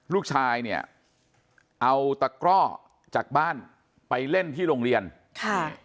ลูกชายเนี่ยเอาตะกร่อจากบ้านไปเล่นที่โรงเรียนค่ะ